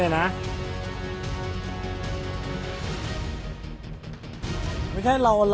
อัศวินไทย